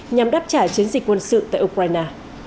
nhằm đáp trả chiến dịch quân sự tại ukraine